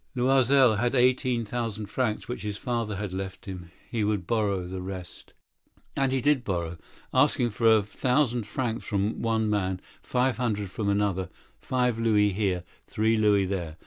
Loisel possessed eighteen thousand francs which his father had left him. He would borrow the rest. He did borrow, asking a thousand francs of one, five hundred of another, five louis here, three louis there.